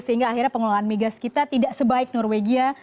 sehingga akhirnya pengelolaan migas kita tidak sebaik norwegia